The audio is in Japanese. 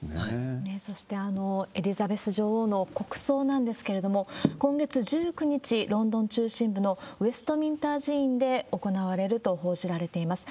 そして、エリザベス女王の国葬なんですけれども、今月１９日、ロンドン中心部のウェストミンスター寺院で行われると報じられています。